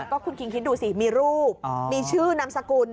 ก็คุณคิงคิดดูสิมีรูปมีชื่อนามสกุล